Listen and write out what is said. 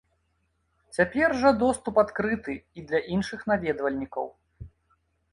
Цяпер жа доступ адкрыты і для іншых наведвальнікаў.